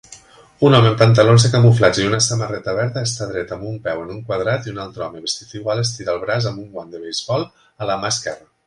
Un home amb pantalons de camuflatge i una samarreta verda està dret amb un peu en un quadrat i un altre home vestit igual estira el braç amb un guant de beisbol a la mà esquerra